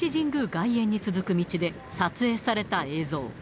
外苑に続く道で撮影された映像。